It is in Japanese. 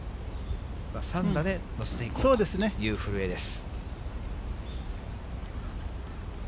３打で乗せていこうという古江です。